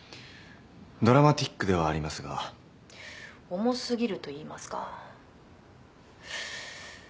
ドラマティックではありますが「重すぎると言いますか」